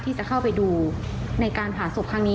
ที่จะเข้าไปดูในการผ่าศพครั้งนี้